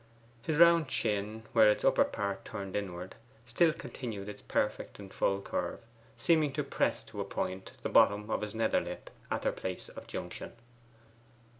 His round chin, where its upper part turned inward, still continued its perfect and full curve, seeming to press in to a point the bottom of his nether lip at their place of junction.